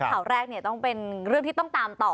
ข่าวแรกเนี่ยต้องเป็นเรื่องที่ต้องตามต่อ